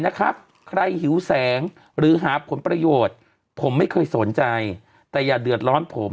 นะครับใครหิวแสงหรือหาผลประโยชน์ผมไม่เคยสนใจแต่อย่าเดือดร้อนผม